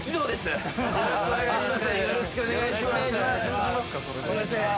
よろしくお願いします。